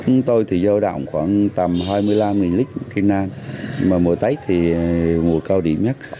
mùa tết thì mùa cao điểm nhất